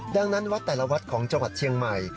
ดังนั้นวัดแต่ละวัดของจังหวัดเชียงใหม่